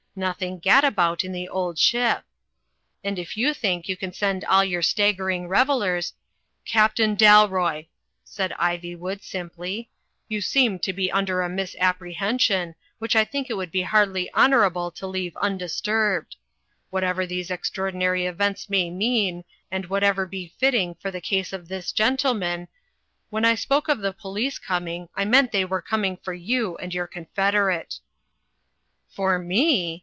Nothing gadabout in 'The Old Ship.' And if you think you can send all your stag gering revellers " "Captain Dalroy," said Iv3nvood, simply, "you seem to be under a misapprehension, which I think it would be hardly honourable to leave undisturbed. Whatever these extraordinary events may mean and whatever be fitting in the case of this gentleman, when I spoke of the police coming, I meant they were coming for you and your confederate." 'Tor me